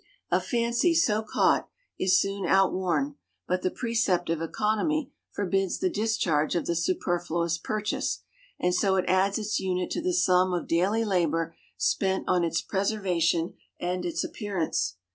A fancy, so caught, is soon outworn, but the precept of economy forbids the discharge of the superfluous purchase, and so it adds its unit to the sum of daily labour spent on its preservation and its appearance.